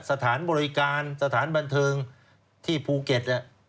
สถานบริการสถานบันเทิงที่ภูเก็ต